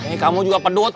eh kamu juga pedot